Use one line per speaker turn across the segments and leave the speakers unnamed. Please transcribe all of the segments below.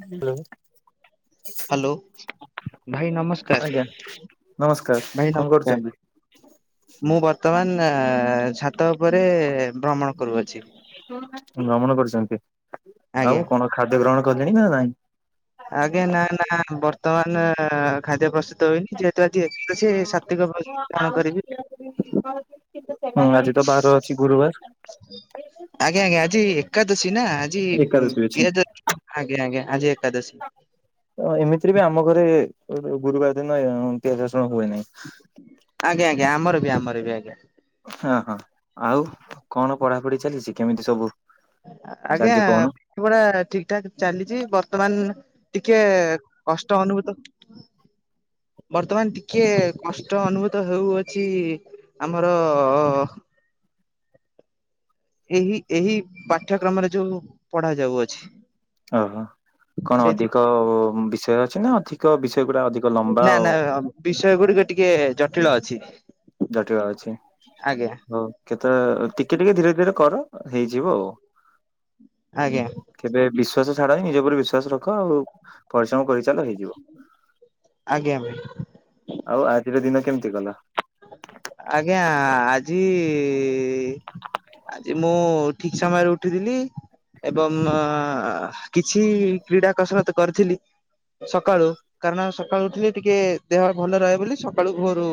Hello
hello ଭାଇ
ଆଜ୍ଞା
ନମସ୍କାର
ନମସ୍କାର
ଭାଇ
କଣ
ନମସ୍କାର
କରୁଛନ୍ତି?
ମୁଁ ବର୍ତ୍ତମାନ ଛାତ ଉପରେ ଭ୍ରମଣ କରୁଅଛି।
ଭ୍ରମଣ କରୁଛନ୍ତି
ଆଜ୍ଞା।
ଆଉ କଣ ଖାଦ୍ୟ ଗ୍ରହଣ କଲେଣି ନା ନାଇଁ?
ଆଜ୍ଞା ନା ନା ବର୍ତ୍ତମାନ ଖାଦ୍ୟ ପ୍ରସ୍ ଭୋଜନ ଗ୍ରହଣ କରିବି
ହୁଁ ଆଜି ବାର ଅଛି ଗୁରୁବାର।
ଆଜ୍ଞା ଆଜ୍ଞା ଆ ଜି ଏକାଦଶୀ ନା ଆଜି
ଏକାଦଶୀ ଅଛି।
ପିୟାଜ ରସୁଣ ଆଜ୍ଞା ଆଜ୍ଞା ଆଜି ଏକାଦଶୀ।
ଓ ଏମିତିରେ ବି ଆମ ଘରେ ଗୁରୁବାର ଦିନ ଅ ପିଆଜ ରସ୍ ଶୁଣ ହୁଏ ନାହିଁ।
ଆଜ୍ଞା ଆଜ୍ଞା ଆମର ଏ ବି ଆଜ୍ଞା।
ହଁ ହଁ ଆଉ କଣ ପଢାପଢି ଚାଲିଚି କେମିତି ସବୁ
ଆଜ୍ଞା
ଚାଲିଛି କହୁନ
ପାଠ ପଢ଼ା ଠିକ୍ ଠାକ୍ ଚାଲିଛି ବର୍ତ୍ତମାନ ଟିକେ କଷ୍ଟ ଅନୁଭୂତ ବର୍ତ୍ତମାନ ଟି କିଏ କଷ୍ଟ ଅନୁଭୂତ ହୋଉ ଅଛି ଆମର ଏହି ଏହି ପାଠ୍ୟକ୍ରମରେ ଯୋଉ ପଢା ଯାଉଅଛି।
ଓହୋ। କଣ
ସେଇଥି
ଅଧିକ ବିଷୟ ଅଛି ନା ଅଧିକ ବିଷୟ ଗୁଡା ଅଧିକ ଲମ୍ବା
ନା ନା
ଆଉ
ବିଷୟ ଗୁଡିକ ଟିକେ ଜଟିଳ ଅଛି।
ଟିକେ ଜଟିଳ ଅଛି
ଆଜ୍ଞା
ହୋଉ କେତେଳ ଟି ଟିକେ ଧୀରେ ଧୀରେ କର ହେଇଯିବ ଆଉ
ଆଜ୍ଞା।
କେବେ ବିଶ୍ ଶ୍ୱାସ ଛାଡ ହ ନିଜ ଉପରେ ବିଶ୍ଵାସ ରଖ ଆଉ ପରିଶ୍ରମ କରିଚାଲ ହେଇଯିବ।
ଆଜ୍ଞା ଭାଇ।
ଆଉ ଆଜିର ଦିନ କେମିତି ଗଲା?
ଆଜ୍ଞା ଆଜି ଆଜି ମୁଁ ଠିକ୍ ସମୟରେ ଉଠିଥିଲି ଏବଂ ଆ କିଛି କ୍ରୀଡା କଷରତ୍ କରିଥିଲି। ସକାଳୁ କାରଣ ସକାଳୁ ଉଠିଲେ ଟିକେ ଦେହ ଭଲ ରହେ ବୋଲି ସକାଳୁ ଭୋରୁ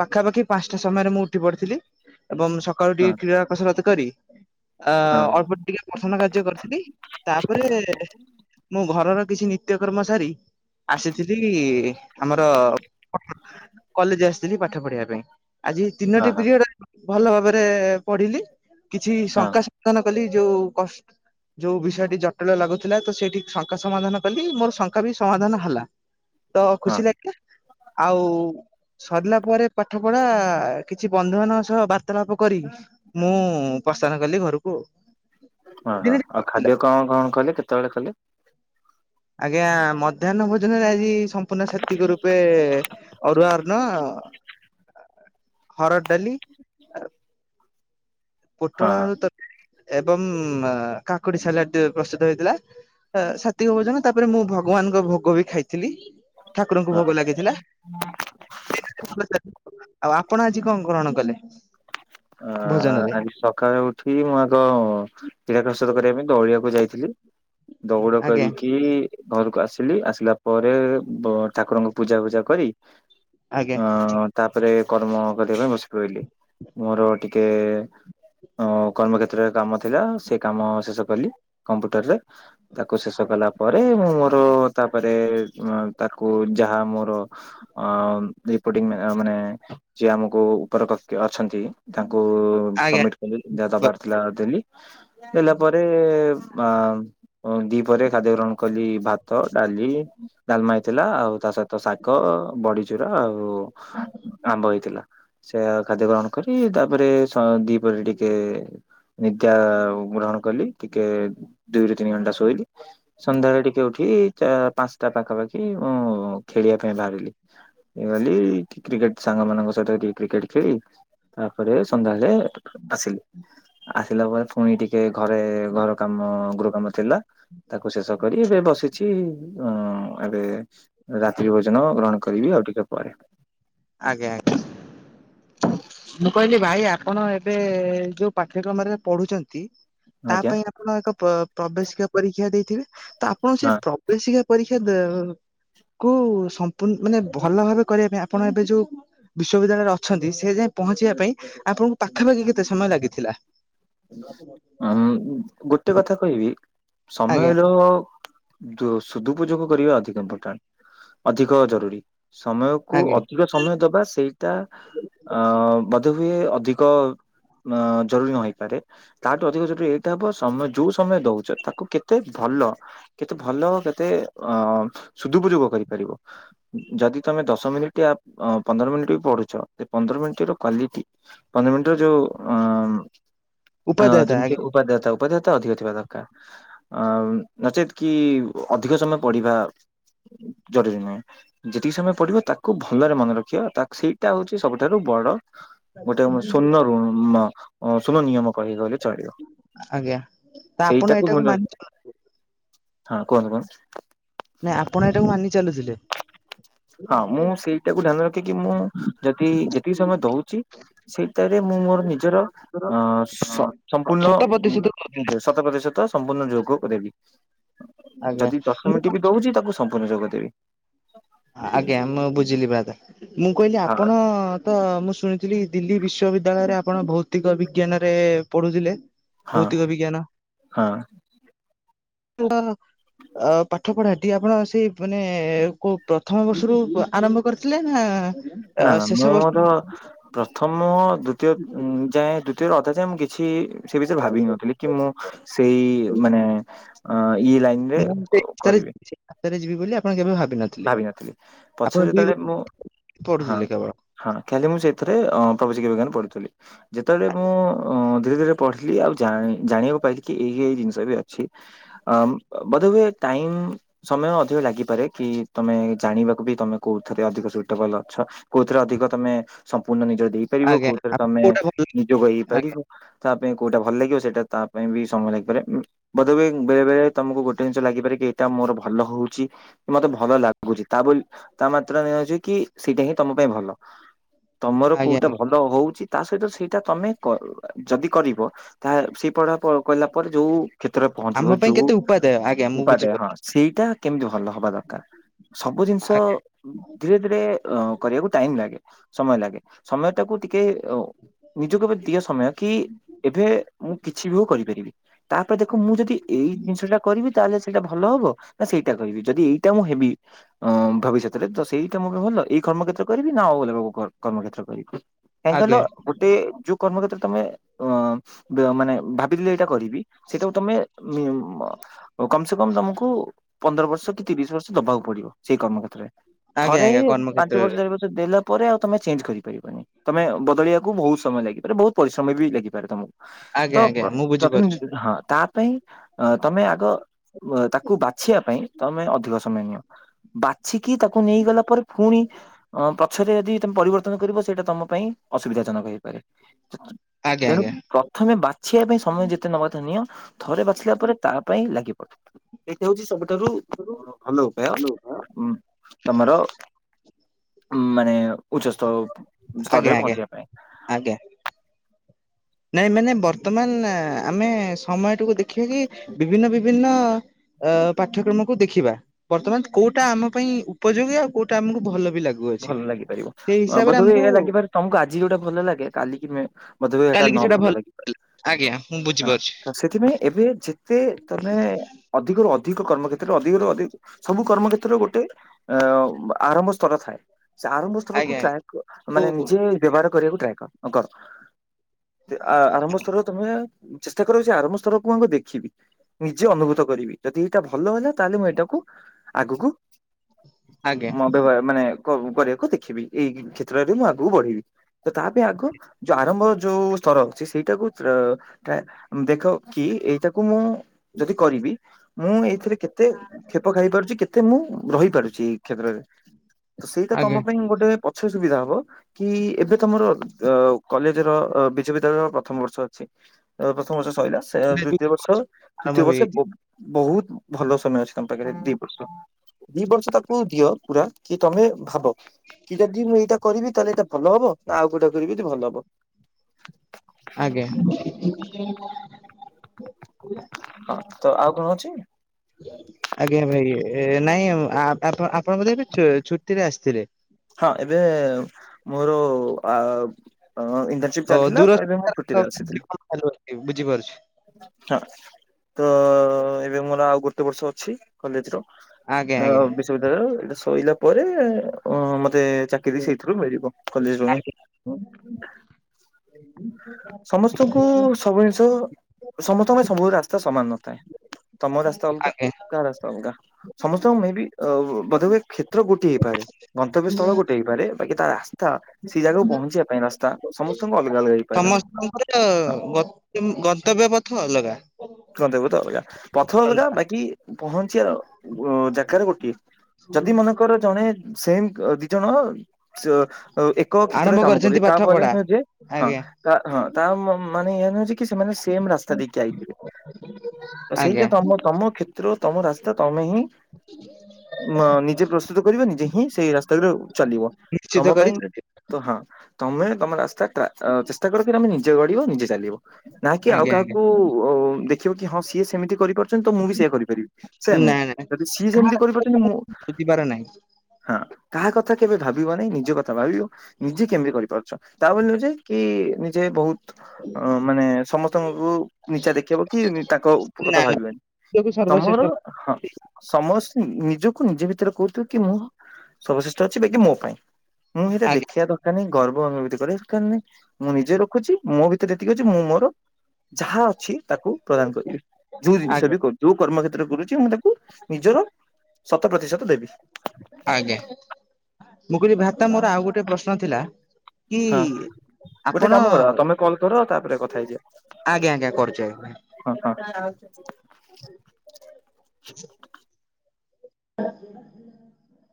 ପାଖାପାଖି ପାଞ୍ଚଟା ସମୟରେ ମୁଁ ଉଠି ପଡିଥିଲି ଏବଂ ସକାଳୁ
ହଁ
ଟିକେ କ୍ରୀଡ଼ା କସରତ କରି ଅ
ହଁ
ଅଳ୍ପ ଟିକେ ପ୍ରସନ୍ନ କାର୍ଯ୍ୟ କରିଥିଲି ତାପରେ ମୁଁ ଘରର କିଛି ନିତ୍ୟକର୍ମ ସାରି ଆସିଥିଲି ଆମର କଲେଜ ଆସି ପାଠ ପଢିବା ପାଇଁ। ଆଜି
ଅହ
ତିନୋଟି
ହଁ।
ପିରିୟଡ ଭଲ ଭାବରେ ପଢିଲି। କିଛି ଶଙ୍କା
ହଁ
ସାଧନ କଲି ଯୋଉ କଷ୍ଟ ଯୋଉ ବିଷୟଟି ଜଟିଳ ଲାଗୁଥିଲା ତ ସେଇଠି ଶଙ୍କା ସମାଧାନ କଲି ମୋର ଶଙ୍କା ବି ସମାଧାନ ହେଲା। ତ ଖୁସି ଲାଗିଲା। ଆଉ ସରିଲା ପରେ ପାଠ ପଢା କିଛି ବନ୍ଧୁ ମାନଙ୍କ ସହ ବାର୍ତ୍ତାଳାପ କରି ମୁଁ ଦାନ କଲି ଘରକୁ।
ଓହୋ
ଦିନଟି
ଆଉ
ଭଲ ଥିଲା।
ଖାଦ୍ୟ କଣ କଣ କଲେ କେତେବେଳେ କଲେ?
ଆଜ୍ଞା ମଧ୍ୟାହ୍ନ ଭୋଜନରେ ଆଜି ସମ୍ପୂର୍ଣ୍ଣ ସ୍ଵାତିକ ରୂପେ ଅରୁଆଅନ୍ନ। ହରଡ଼ ଡାଲି।
ହଁ
ପୋଟଳଆଳୁ ତ ଏବଂ କାକୁଡି ସାଲଡ଼ ଟିକେ ପ୍ରସ୍ତୁତ ହେଇଥିଲା। ସାତିିକ ଭୋଜନ ତାପରେ ମୁଁ ଭଗବାନଙ୍କ ଭୋଗ ବି ଖାଇଥିଲି। ଠାକୁରଙ୍କୁ
ହଁ।
ଭୋଗ ଲାଗିଥିଲା। ଆଉ ଆପଣ ଆଜି କଣ ଗ୍ରହଣ କଲେ?
ଅ
ଭୋଜନରେ?
ଆଜି ସକାଳେ ଉଠି ମୁଁ ଆଗ କ୍ରୀଡ଼ା କସରତ କରିବା ପାଇଁ ଦୌଡ଼ିଆକୁ ଯାଇଥିଲି। ଦୌଡ଼
ଆଜ୍ଞା
କରିକି ଘରକୁ ଆସି ଆ ଆସିଲା ପରେ ଠାକୁରଙ୍କୁ ପୂଜା ଫୂଜା କରି
ଆଜ୍ଞା
ଅ ତାପରେ କର୍ମ କରିବା ପାଇଁ ବସି ପଇଲି। ମୋର ଟିକେ ଅ କର୍ମ କେତ୍ରରେ କାମ ଥିଲା ସେ କାମ ଶେଷ କଲି କମ୍ପ୍ୟୁଟର ରେ ତାକୁ ଶେଷ କଲା ପରେ ମୁଁ ମୋର ତାପରେ ତାକୁ ଯାହା ମୋର ଆଁ ରିପୋର୍ଟିଙ୍ଗ ମେ-ମାନେ ଯିଏ ଆମକୁ ଉପର କକ୍ଷ ତାକୁ
ଆଜ୍ଞା
ସମିଟ୍ କଲି ଯହା
ଆଜ୍ଞା
ଦବାର ଥିଲା ଦେଲି ଦେଲା ପରେ ଆ ଦିପ୍ରହରେ ଖାଦ୍ୟ ଗ୍ରହଣ କଲି ଭାତ, ଡାଲି ଡାଲମା ହେଇଥିଲା ଆଉ ତା ସହିତ ଶାଗ, ବଡିଚୁରା ଆଉ ଆମ୍ବ ହେଇଥିଲା ସେ ଖାଦ୍ୟ ଗ୍ରହଣ କରି ତାପରେ ଶ୍ ଦିପହରେ ଟିକେ ନିଦ୍ୟା ଗ୍ରହଣ କଲି ଟିକେ ଦୁଇରୁ ତିନି ଘଣ୍ଟା ଶୋଇଲି। ସନ୍ଧ୍ୟାଳେ ଟିକେ ଉଠି ଏଇ ଚା ପାଞ୍ଚଟା ପାଖାପାଖି ମୁଁ ଖେଳିବା ପାଇଁ ବାହାରିଲି। ଏଇ ଗଲି କ୍ରିକେଟ ସାଙ୍ଗ ମାନଙ୍କ ସହିତ ଟିକେ କ୍ରିକେଟ ଖେଳି ତାପରେ ସନ୍ଧ୍ୟାବେଳେ ଆସିଲି। ଆସିଲା ପରେ ଫୁଣି ଟିକେ ଘରେ ଘର କାମ ଗ୍ରୁପ୍ କାମ କମ ଥିଲା ତାକୁ ଶେଷ କରି ଏବେ ବସିଛି ଅ ଏବେ ରାତିି ବସି ମ ଗ୍ରହଣ କରିବି ଆଉ ଟିକେ ପରେ।
ଆଜ୍ଞା ଆଜ୍ଞା। ମୁଁ କହିଲି ଭାଇ ଆପଣ ଏବେ ଯୋଉ ପାଠ୍ୟକ୍ରମରେ ପଢୁଚନ୍ତି ତା
ଆଜ୍ଞା
ପାଇଁ ଆପଣ ଏକ ପ-ପ୍ରବେଶିକା ପରୀକ୍ଷା ଦେଇଥିବେ। ତ ଆପଣ ସେ
ହଁ
ପ୍ରବେଶିକା ପରୀକ୍ଷା ଦେଉ କୁ ସମ୍ପୂର୍ଣ ମାନେ ଭଲ ଭାବେ କରିବା ପାଇଁ ଆପଣ ଏବେ ଯୋଉ ବିଶ୍ବିଦ୍ୟାଳୟରେ ଅଛନ୍ତି ସେ ଯାଏ ପହଞ୍ଚିବା ପାଇଁ ଆପଣଙ୍କୁ ପାଖାପାଖି କେତେ ସମୟ ଲାଗିଥିଲା?
ଉଁ ଗୋଟେ କଥା କହିବି
ଆଜ୍ଞା
ସମୟର ଦୋ ସୁଦୁପଯୋଗ କରିବା ଅଧିକ ଇମ୍ପୋର୍ଟାଣ୍ଟ ଅଧିକ ଜରୁରୀ। ସମୟକୁୁ
ଆଜ୍ଞା
ଅଧିକ ସମୟ ଦବା ସେଇଟା ଅ ବୋଧ ହୁଏ ଅଧିକ ଜରୁରୀ ନ ହେଇପାରେ ତାଠୁ ଅଧିକ ଜରୁରୀ ଏଇଟା ହବ ସମୟ ଯୋଉ ସମୟ ଦଉଚ ତାକୁ କେତେ ଭଲ କେତେ ଭଲ କେତେ ଅ ସୁଦୁପଯୋଗ କରିପାରିବ ଯଦି ତମେ ଦଶ ମିନିଟିଆ ପନ୍ଦର ମିନିଟ ପଢୁଛ ପନ୍ଦର ମିନିଟ ର କ୍ଵାଲିଟି ପନ୍ଦର ମିନିଟ ଯୋଉ ଅ ଅ
ଉପାଧ୍ୟାୟତା
ଯେମିତି
ଆଜ୍ଞା
ଉପାଦେୟତା ଉପାଧେୟତା ଅଧିକ ଥିବା ଦରକାର ଆଉ ନଚେତ୍ କି ଅଧିକ ସମୟ ପଢିବା। ଜରୁରୀ ନୁହେଁ ଯେତିକି ସମୟ ପଢିବ ତାକୁ ଭଲରେ ମନେ ରଖିବା ତା ସେଇଟା ହଉଚି ସବୁଠାରୁ ବଡ ଗୋଟେ ସ୍ୱର୍ଣ୍ ଋନ ସ୍ୱର୍ଣ୍ଣ ନିୟମ କହିଗଲେ ଚଳିବ
ଆଜ୍ଞା ତ ଆପଣ
ସେଇଟାକୁ
ଏଇଟାକୁ
ମୁଣ୍ଡ
ମାନି
ହଁ କୁହନ୍ତୁ କୁହନ୍ତୁ।
ନାଇଁ ଆପଣ ଏଇଟାକୁ ମାନି ଚାଲୁଥୁଲେ?
ହଁ ମୁଁ ସେଇଟାକୁ ଧ୍ୟାନ ରଖିକି ମୁଁ ଯଦି ଯେତିକି ସମୟ ଦଉଚି ସେଇ ତାରେ ମୁଁ ମୋର ନିଜର ଅ ସ-ସମ୍ପୂର୍ଣ୍ଣ
ଶତ ପ୍ରତିଶତ
ନିଜ ଶତ ପ୍ରତିଶତ ସମ୍ପୂର୍ଣ୍ଣ ଯୋଗ ଦେବି
ଆଜ୍ଞା
ଯଦି ଦଶ
ମୁଁ
ମିନିଟ୍ ବି ଦଉଚି ତାକୁ ସମ୍ପୂର୍ଣ୍ଣ ଯୋଗ ଦେବି।
ଆଜ୍ଞା ମୁଁ ବୁଝିଲି ବାଦ ମୁଁ କହିଲି
ହଁ
ଆପଣ ତ ମୁଁ ଶୁଣିଥିଲି ଦିଲ୍ଲୀ ବିଶ୍ୱବିଦ୍ୟାଳୟରେ ଆପଣ ଭୌତିକ ବିଜ୍ଞାନ ରେ ପଢୁଥିଲେ?
ହଁ
ଭୌତିକ ବିଜ୍ଞାନ
ହଁ
[unintelligible] ଅ ପାଠ ପଢା ଟି ଆପଣ ସେଇ ମାନେ କୋଉ ପ୍ରଥମ ବର୍ଷରୁ ଆରମ୍ଭ କରିଥିଲେ ନା
ନା ନା
ଶେଷ
ମୁଁ
ବର୍ଷ
ମୋର ପ୍ରଥମ ଦ୍ଵିତୀୟ ଯାଏ ଦ୍ଵିତୀୟରେ ଅଧାଯାଏ ମୁଁ କିଛି ସେ ବିଷୟରେ ଭାବି ନଥିଲି କି ମୁଁ ସେଇ ମାନେ ଅ ଇ ଲାଇନ ରେ
ମୁଁ ସେଇ ରାସ୍ତାରେ
କରିବେ
ଯିବି ସେଇ ରାସ୍ତାରେ ଯିବି ବୋଲି ଆପଣ କେବେ ଭା
ଭାବିନଥିଲି ପଛରେ ଯେତେବେଳେ ମୁଁ ହଁ
ପଢୁଥିଲେ କେବଳ
ହଁ ଖାଲି ମୁଁ ସେଥିରେ ପ୍ରବେଶିକ ବିଜ୍ଞାନ ପ ଥୁଲି ଯେତେବେଳେ ମୁଁ ଧୀରେ ଧୀରେ ପଢିଲି ଆଉ ଜାଣି ଜାଣିବାକୁ ପାଇଲି କି ଏଇ ଏଇ ଜିନିଷ ଏବେ ଅଛି ବୋଧ ହୁଏ ଟାଇମ ସମୟ ଅଧିକ ଲାଗିପାରେ କି ତମେ ଜାଣିବାକୁ ବି ତମେ କୋଉଥିରେ ଅଧିକ ସୁଇଟେବୁଲ ଅଛ କୋଉଥିରେ ଅଧିକ ତମେ ସମ୍ପୂର୍ଣ୍ଣ ନିଜ ଦେଇପାରିବ
ଆଜ୍ଞା
କୋଉଥିରେ
ଆପଣ
ତମେ
କୋଉଟା ଭଲ ଲାଗେ?
ନିଜକୁ
ଆଜ୍ଞା
ହେଇପାରିବ ତା ପାଇଁ କୋଉଟା ଭଲ ଲାଗିବ ସେଇଟା ତା ପାଇଁ ବି ସମୟ ଲାଗିପାରେ ବଧ ହୁଏ ବେଳେ ବେଳେ ତମକୁ ଗୋଟେ ଜିନିଷ ଲାଗିପାରେ କି ମୋର ଭଲ ହଉଚି କି ମତେ ଭଲ ଭଲ ଲାଗୁଚି ତା ବୋଲି ତା ମାତ୍ରା ନେଇ ଯାଉଚି କି ସେଇଟା ହିଁ ତମ ପାଇଁ ଭଲ। ତମର
ଆଜ୍ଞା।
କୋଉଟା
ଆଜ୍ଞା।
ଭଲ ହଉଚି? ତା ସହିତ ସେଇଟା ତମେ କ ଯଦି କରିବ ତା ସେପଢା ପ କହିଲା ପରେ ଯୋଉ କ୍ଷେତ୍ରରେ ପହଞ୍ଚିବ
ଆମ ପାଇଁ
ଯୋଉ
କେତେ ଉପାଦାୟ ଆଜ୍ଞା ମୁଁ
ଉପାଦେୟ ହଁ
ବୁଝିପାରୁଛି
ସେଇଟା କେମିତି ଭଲ ହବା ଦରକାର ସବୁ ଜିନିଷ
ଆଜ୍ଞା
ଧୀରେ ଧୀରେ ଅ କରିବାକୁ ଟାଇମ ଲାଗେ ସମୟ ଲାଗେ ସମୟ ଟାକୁ ଟିକେ ନିଜକୁ ଏବେ ଦିଅ ସମୟ କି ଏବେ ମୁଁ କିଛି ବି ହଉ କରିପାରିବି ତାପରେ ଦେ ଖ ମୁଁ ଯଦି ଏଇ ଜିନିଷ ଟା କରିବି ତାହେଲେ ସେଇଟା ଭଲ ହବ ନା ସେଇଟା କରିବି ଯଦି ଏଇ ଟା ମୁଁ ହେବି ଅଁ ଭବିଷ୍ୟତରେ ତ ସେଇଟା ମୋ ପାଇଁ ଭଲ ଏଇ କର୍ମକ୍ଷେତ୍ର କରିବି ନା ଆଉ ଅଲଗା କୋଉ କର୍ମ କ୍ଷେତ୍ର କାରିବି କାଇଁ କଇଲା
ଆଜ୍ଞା
ଗୋଟେ ଯୋଉ କର୍ମ କେତ୍ରରେ ତମେ ଅ ମାନେ ଭା ଏଇଟା କରିବି ସେଇଟାକୁ ତମେ ମୁ ମ କମ୍ ସେ କମ୍ ତମକୁ ପନ୍ଦର ବର୍ଷ କି ର୍ ଦବାକୁ ପଡିବ ସେଇ କର୍ମ କ୍ଷେତ୍ରରେ
ଆଜ୍ଞା
ଥରେ
ଆଜ୍ଞା
ପାଞ୍ଚ ବର୍ଷ
କର୍ମକ୍ଷେତ୍ରରେ।
ଚାରି ବର୍ଷ ଦେଲା ପରେ ଆଉ ତମେ ଚେଞ୍ଚ କରିପାରିବନି ତମେ ବଦଳିବାକୁ ବହୁତ ସମୟ ଲାଗିପାରେ ବହୁତ ପରିଶ୍ରମ ବି ଲାଗିପାରେ ତମକୁ। ତ
ଆଜ୍ଞା ଆଜ୍ଞା ମୁଁ
ପ୍ରଥମେ
ବୁଝିପାରୁଛି
ହଁ ତା ପାଇଁ ତମେ ଆଗ ତାକୁ ବାଛିବା ପାଇଁ ତମେ ଅଧିକ ସମୟ ନିଅ ବାଛିକି ତାକୁ ନେଇଗଲା ପରେ ପୁଣି ଅ ପଛରେ ଯଦି ତମେ ପରିବର୍ତ୍ତନ କରିବ ସେଇଟା ତମ ପାଇଁ ଅସୁବିଧା ଜନକ ହେଇପାରେ।
ଆଜ୍ଞା
ତେଣୁ
ଆଜ୍ଞା
ପ୍ରଥମେ ବାଛିବା ପାଇଁ ସମୟ ଯେତେ ନବା କଥା ନିଅ ଥରେ ବାଛିଲା ପରେ ତା ପାଇଁ ଲାଗି ପଡଥିଲା ସେଇଠା ହଉଛି ସବୁଠାରୁ ହ ଭଲ ଉପାୟ ଉ ତମର ମାନେ ଉଚ୍ଚସ୍ତ
ଆଜ୍ଞା
ସ୍ତରରେ
ଆଜ୍ଞା
ପହଞ୍ଚିବା
ଆଜ୍ଞା।
ପାଇଁ
ନାଇଁ ମାନେ ବର୍ତ୍ତମାନ ଆମେ ସମୟଟିକୁ ଦେଖିବା କି ବିଭିନ୍ନ ବିଭିନ୍ନ ଅ ପାଠ୍ୟକ୍ରମକୁ ଦେଖିବା ବର୍ତ୍ତମାନ କୋଉଟା ଆମ ପାଇଁ ଉପଯୋଗୀ ଆଉ କୋଉଟା ଆମକୁ ଭଲ ବି ଲାଗୁଅଛି
ଭଲ
ସେଇ
ଲାଗିପାରିବ
ହିସାବରେ
ବୋଧେ
ଆମକୁ
ଏ ଲାଗିପାରେ ତମକୁ ଆଜି ଯୋଉଟା ଭଲ ଲାଗେ କାଲିକି ତେବେ ଏଟା
କାଲି
ନ
କିଛିଟା
ଭଲ ଲାଗିପାରେ
ଆଜ୍ଞା ମୁଁ
ହଁ
ବୁଝିପାରୁଛି
ତ ସେଥିପାଇଁ ଏବେ ଯେତେ ତମେ ଅଧିକରୁ ଅଧିକ ଅଧିକ କର୍ମ କ୍ଷେତ୍ର ରେ ଅଧିକରୁ ଅଧିକ ସବୁ କର୍ମ କ୍ଷେତ୍ର ରେ ଗୋଟେ ଅ ଆରମ୍ଭ ସ୍ତର ଥାଏ। ସେ ଆରମ୍ଭ ସ୍ଥଳକୁ
ଆଜ୍ଞା।
ଟ୍ରାଏ
ଓ
ମାନେ ନିଜେ ବ୍ୟବହାର କରିବାକୁ ଟ୍ରାଏ କର କର। ଆରମ୍ଭ ସ୍ତର ତମେ ଚେଷ୍ଟା କର ସେ ଆରମ୍ଭ ସ୍ତର ମୁ ଆଙ୍କୁ ଦେଖିବି ନିଜେ ଅନୁଭୂତ କରିବି ଯଦି ଏଇଟା ଭଲ ହେଲା ତାହେଲେ ମୁଁ ଏଇଟାକୁ ଆଗକୁ
ଆଜ୍ଞା
ମ ବ୍ୟବହାର ମାନେ କରିବାକୁ ଦେଖିବି ଏଇ କ୍ଷେତ୍ରରେ ମୁଁ ଆଗକୁ ବଢ଼ିବି ତ ତାପ ଆଗ ଯୋଉ ଆରମ୍ଭ ଯୋଉ ର ଅଛି ସେଇଟାକୁ ଦେଖ କି ଏଇଟାକୁ ମୁଁ ଯଦି କରିବି ମୁଁ ଏଇଥିରେ କେତେ କ୍ଷେପ ଖାଇପାରୁଛି କେତେ ମୁଁ ରହିପାରୁଛି ଏଇ କ୍ଷେତ୍ରରେ ତ ସେଇଟା
ଆଜ୍ଞା
ତମ ପାଇଁ ଗୋଟେ ପଛ ସୁବିଧା ହଉ କି ଏବେ ତମର କଲେଜ ର ବିଶ୍ୱବିଦ୍ୟାଳୟର ପ୍ରଥମ ବର୍ଷ ଅଛି ପ୍ରଥମ ବର୍ଷ। ଶଇିଲ ସେ ଦ୍ୱିତୀୟ ବର୍ଷ
ଆରମ୍ଭ
ଦ୍ୱିତୀୟ ବର୍ଷ
ହେଇଯାଇଛି।
ବହୁତ ଭଲ ସମୟ ଅଛି ତମ ପାଖରେ ଦି ବର୍ଷ ଦି ବର୍ଷ ତାକୁ ଦିଅ ପୁରା କି ତମେ ଭାବ କିଟାଦିନ ଏଇଟା କରିବି ତାହେଲେ ଏଇଟା ଭଲ ହବ ନା ଆଉ କୋଉଟା କରିବି ଭଲ ହବ।
ଆଜ୍ଞା।
ହଁ ତ ଆଉ କଣ ଅଛି
ଆଜ୍ଞା ଭାଇ ଇ ନାଇଁ ଆପଣ ବୋଧେ ଏବେ ଛୁଟି ରେ ଆସିଥିଲେ।
ହଁ ଏବେ ମୋର ଆ ଇଣ୍ଟରସିପ
ଓ
ଚାଲିଥିଲା
ଦୂର
ତ ଏବେ ମୁଁ
ବୁଝିପାରୁଛି
ଛୁଟିରେ ଆସିଥିଲି। ହଁ ତ ଏବେ ମୋର ଆଉ ଗୋଟେ ବର୍ଷ ଅଛି କଲେଜ୍ ର
ଆଜ୍ଞା
ଅ
ଆଜ୍ଞା
ବିଶ୍ୱବିଦ୍ୟାଳୟ ଏଇଟା ଶଇଲା ପରେ ଅ ମତେ ଦେ ଚାକିରି ସେଇଥିରୁ ମିଲିବ କଲେଜ୍ ରୁ ହିଁ। ସମସ୍ତଙ୍କୁ ସବୁ ଜିନିଷ ସମସ୍ତଙ୍କ ପାଇଁ ସୁବୁ ବେଳେ ରାସ୍ତା ସମାନ ନଥାଏ। ତମ ରାସ୍ତା ଅଲଗା
ଆଜ୍ଞା
କାହା ରାସ୍ତା ଅଲଗା ସମସ୍ତଙ୍କୁ ମେବି ବଧହୁଏ କ୍ଷେତ୍ର ଗୋଟିଏ ହେଇପାରେ। ଗନ୍ତବ୍ୟ ସ୍ଥଳ ଗୋଟେ ହେଇପାରେ ବାକି ତା ରାସ୍ତା ସେଇ ଜାଗାକୁ ପହଞ୍ଚିବା ପାଇଁ ରାସ୍ତା ସମସ୍ତଙ୍କୁ ହେଇ ପାରିଲା
ତାଙ୍କରତ ଗତ୍ୟମ୍ ଗତବ୍ୟ ପଥ ଅଲଗା।
କ ଦେହୁ ତ ଅଲଗା ପଥର ଅଲଗା ବାକି ପହଁଞ୍ଚିବାର ଜାଗାରେ ଗୋଟିଏ ଯଦି ମନେଙ୍କର ଜଣେ ସେମ୍ ଦି ଜଣ ଏକ
ଆରମ୍ଭ
କ୍ଷେତ୍ରରେ କାମ
କରିଛନ୍ତି
କରିବେ
ପାଠ
ତାପ
ପଢା
ଯେ ହଁ
ଆଜ୍ଞା
ହଁ ତା ମାନ ଏଇଆ ନୁହଁ ଯେ କି ସେମାନେ ସେମ୍ ରାସ୍ତା ଦେଇକି ଆଇବେ। ତ
ଆଜ୍ଞା
ସେଇଟା ତମ ତମ କ୍ଷେତ୍ର ତମ ରାସ୍ତା ତମେ ହିଁ ନିଜେ ପ୍ରସ୍ତୁତ କରିବ ନିଜେ ହିଁ ସେଇ ରାସ୍ତା ଚାଲିବ
ନିଶ୍ଚିତ
ତମ
କରି
ପାଇଁ
ଆଜ୍ଞା
ତ ହଁ। ତମେ ତମ ରାସ୍ତା ଟ୍ରା ଚେଷ୍ଟା କରିକି ତମେ ନିଜେ ଗଡିବ ନିଜେ ଚାଲିବ। ନା କି ଆଉ
ଆଜ୍ଞା
କାହାକୁ ଅ ଦେଖିବ କି ହଁ ସିଏ ସେମିତି କରିପାରୁ ତ ମୁଁ ବି ସେଏଁ କରିପାରିବି ସେ ନୁହଁ
ନା ନା
ଯଦି ସିଏ ସେମିତି କରିପାରୁଛନ୍ତି ମୁଁ
ବୁଝିବାର ନାହିଁ
ହଁ। କାହା କଥା କେବେ ଭାବିବ ନାହିଁ ନିଜ କଥା ଭାବିବ ନିଜେ କେମିତି କରିପାରୁଛ ତାବୋଲି ନୁହଁ ଯେ କି ନିଜେ ବହୁତ ଅ ମାନେ ସମସ୍ତଙ୍କୁ ନିଚା ଦେଖିବାକୁ ତାଙ୍କ
ନା
କଥା
ନା
ଭାବିବାନି ତମର
ସର୍ବଶ୍ରେଷ୍ଠ
ହଁ ସମେସ୍ତେ ମି ନିଜକୁ ନିଜେ ଭିତରେ କହୁଥିବ କି ମୁଁ ସବଶ୍ରେଷ୍ଠ ଅଛି ବାକି ମୋ ପାଇଁ ମୁଁ ସେଇଟା
ଆଜ୍ଞା
ଦେଖିବା ଦରକାର ନାହିଁ। ଗର୍ବ ଆମ ଭିତରେ କରିବା ଦରକାର ନାହିଁ ମୁଁ ନିଜେ ରଖୁଚି ମୋ ଭିତରେ ଯେତିକି ଅଛି ମୁଁ ମୋର ଯାହା ଅଛି ତାକୁ ପ୍ରଦାନ କରିବେ ଯୋଉ ଜିନିଷ
ଆଜ୍ଞା
ବି ଯୋଉ କର୍ମ କେତ୍ରରେ କରୁଚି ମୁଁ ତାକୁ କୁ ନିଜର ଶତ ପ୍ରତିଶତ ଦେବି।
ଆଜ୍ଞା ମୁଁ କିହିଲି ଭ୍ରାତା ମୋର ଆଉ ଗୋଟେ ପ୍ରଶ୍ନ ଥିଲା କି
ହଁ ଗୋଟେ
ଆପଣ
କାମ କର ତମେ କଲ୍ କର ତାପରେ କଥା ହେଇଯିବା।
ଆଜ୍ଞା ଆଜ୍ଞା କରୁଚି ଆଜ୍ଞା ଭାଇ।
[inaudible]
ଆ